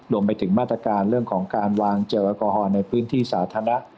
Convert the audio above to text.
รวมไปถึงมาตรการเรื่องของการวางเจลแอลกอฮอลในพื้นที่สาธารณะ